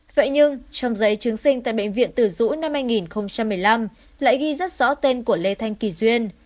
vậy nhưng trong giấy chứng sinh tại bệnh viện tử dũ năm hai nghìn một mươi năm lại ghi rất rõ tên của lê thanh kỳ duyên